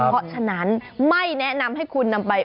เพราะฉะนั้นไม่แนะนำให้คุณนำไป